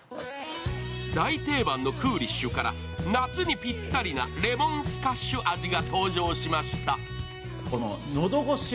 大定番のクーリッシュから夏にぴったりなレモンスカッシュ味が登場しました。